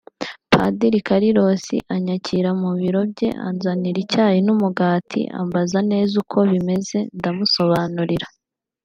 Padiri Carlos anyakira mu biro bye anzanira icyayi n’umugati ambaza neza uko bimeze ndamusobanurira